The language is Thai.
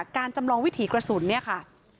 จำลองวิถีกระสุนเนี่ยค่ะ